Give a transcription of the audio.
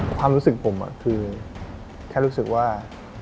ความรู้สึกผมคือแค่รู้สึกว่า